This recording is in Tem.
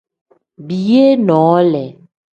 Biyee noole.